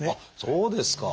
そうですか！